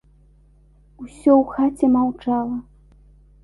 Усё ў хаце маўчала.